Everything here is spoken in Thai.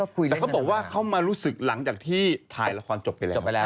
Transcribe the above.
แต่เขาบอกว่าเขามารู้สึกหลังจากที่ถ่ายละครจบไปแล้ว